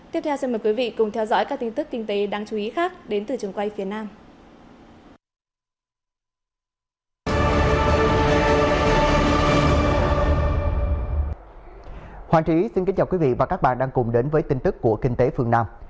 tiếp theo xin mời quý vị cùng theo dõi các tin tức kinh tế đáng chú ý khác đến từ trường quay phía nam